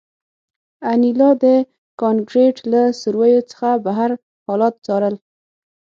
انیلا د کانکریټ له سوریو څخه بهر حالات څارل